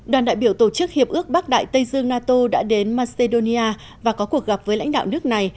đoàn đại biểu tổ chức hiệp ước bắc đại tây dương nato đã đến macedonia và có cuộc gặp với lãnh đạo nước này